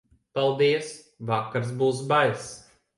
Paldies, vakars būs baiss.